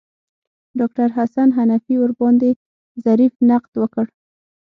ډاکتر حسن حنفي ورباندې ظریف نقد وکړ.